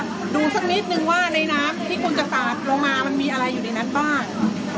ดูสักนิดนึงว่าในน้ำที่คุณจะสาดลงมามันมีอะไรอยู่ในนั้นบ้าง